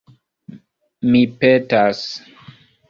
Mi petas!